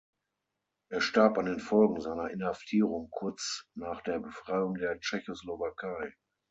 Er starb an den Folgen seiner Inhaftierung kurz nach der Befreiung der Tschechoslowakei.